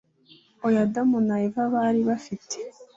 ayo adamu na eva bari bafite